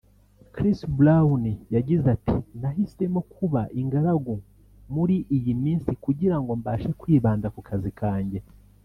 Chris Brown yagize ati “Nahisemo kuba ingaragu muri iyi minsi kugirango mbashe kwibanda ku kazi kanjye